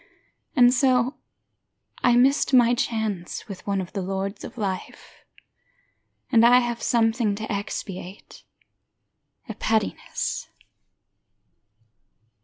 And so, I missed my chance with one of the lords Of life. And I have something to expiate: A pettiness.